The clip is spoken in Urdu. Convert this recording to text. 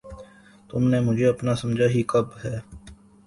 تم نے مجھے اپنا سمجھا ہی کب ہے!